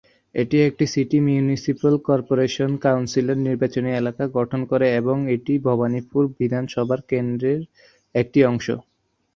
এটি একটি city municipal corporation council নির্বাচনী এলাকা গঠন করে এবং এটি ভবানীপুর বিধানসভা কেন্দ্রর একটি অংশ।